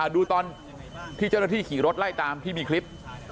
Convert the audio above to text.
ดูตอนที่เจ้าหน้าที่ขี่รถไล่ตามที่มีคลิป